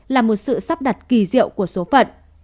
là một sự sắp đặt kỳ diệu của số phận